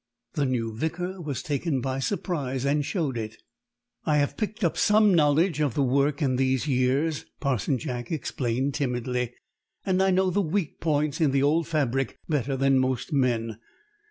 The new Vicar was taken by surprise, and showed it. "I have picked up some knowledge of the work in these years," Parson Jack explained timidly. "And I know the weak points in the old fabric better than most men.